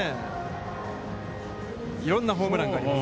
いろんなホームランがあります。